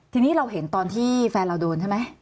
ทีนี้เราเห็นตอนที่แฟนเราโดนใช่ไหม